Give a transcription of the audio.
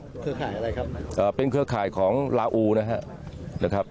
เครือข่ายอะไรครับอ่าเป็นเครือข่ายของลาอูนะครับ